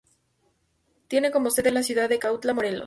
Tiene como sede la ciudad de Cuautla, Morelos.